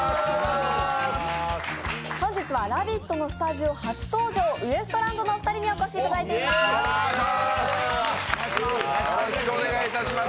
本日は「ラヴィット！」のスタジオ初登場、ウエストランドのお二人にお越しいただいています。